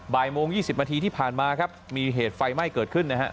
บ่ายโมง๒๐นาทีที่ผ่านมาครับมีเหตุไฟไหม้เกิดขึ้นนะฮะ